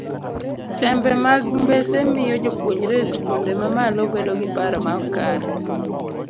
tembe mag mbese miyo jopuonjre e skunde mamalo bedo gi paro maok kare